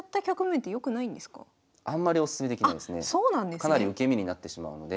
かなり受け身になってしまうので。